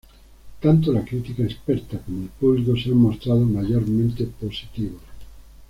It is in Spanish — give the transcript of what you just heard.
Tanto la crítica experta como el público se han mostrado mayormente positivos.